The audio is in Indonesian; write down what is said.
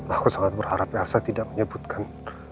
aku sangat berharap yang saya tidak menyebutkan